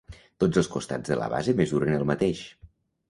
Tots els costats de la base mesuren el mateix.